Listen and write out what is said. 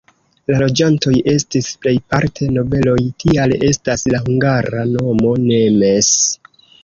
La loĝantoj estis plejparte nobeloj, tial estas la hungara nomo "nemes".